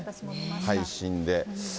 配信で。